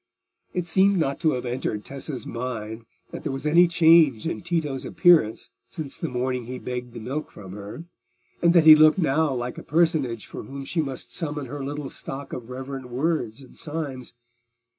It seemed not to have entered Tessa's mind that there was any change in Tito's appearance since the morning he begged the milk from her, and that he looked now like a personage for whom she must summon her little stock of reverent words and signs.